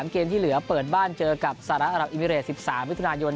เกมที่เหลือเปิดบ้านเจอกับสหรัฐอรับอิมิเรต๑๓มิถุนายน